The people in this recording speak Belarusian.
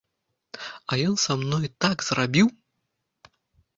А ён са мной так зрабіў.